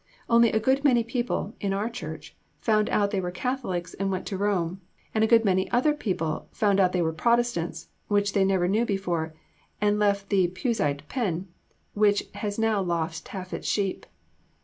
Only a good many people (in our Church) found out they were Catholics and went to Rome, and a good many other people found out they were Protestants, which they never knew before, and left the Puseyite pen, which has now lost half its sheep.